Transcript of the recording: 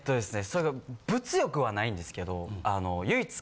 それが物欲はないんですけど。